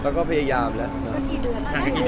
อ๋อน้องมีหลายคน